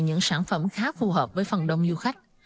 những sản phẩm khá phù hợp với phần đông du khách